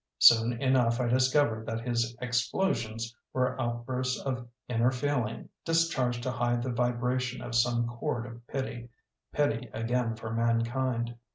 Soon enough I discovered that his ex plosions were outbursts of inner feel ing, discharged to hide the vibration of some chord of pity — ^pity again for mankind.